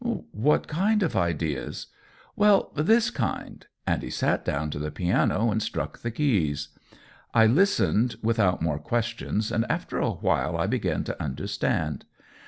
" What kind of ideas ?" "Well, this kind." And he sat down to the piano and struck the keys. I listened 126 COLLABORATION without more questions, and after a while I began to understand.